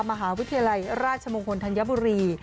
มหาวิทยาลัยราชมงคลธัญบุรี